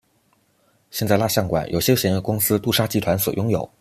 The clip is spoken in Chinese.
现在蜡像馆由休闲业公司杜莎集团所拥有。